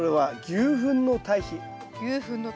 牛ふんの堆肥。